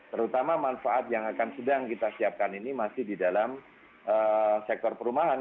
terutama manfaat yang akan sedang kita siapkan ini masih di dalam sektor perumahan